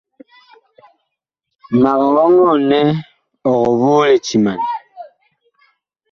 Mag ɔŋɔɔ nɛ ɔg voo litiman.